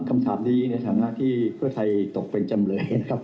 คำถามที่นี่คำถามที่เพื่อไทยตกเป็นจำเลยนะครับ